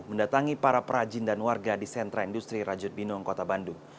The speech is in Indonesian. mendatangi para perajin dan warga di sentra industri rajut binong kota bandung